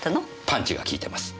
パンチが効いてます。